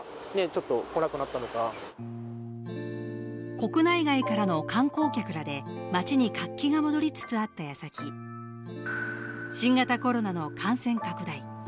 国内外からの観光客らで街に活気が戻りつつあった矢先、新型コロナの感染拡大。